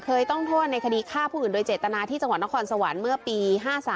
ต้องโทษในคดีฆ่าผู้อื่นโดยเจตนาที่จังหวัดนครสวรรค์เมื่อปี๕๓